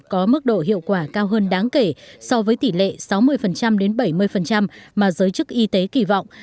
có mức độ hiệu quả cao hơn đáng kể so với tỷ lệ sáu mươi đến bảy mươi mà giới chức y tế kỳ vọng